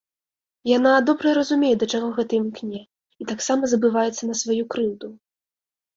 Яна добра разумее, да чаго гэта імкне, і таксама забываецца на сваю крыўду.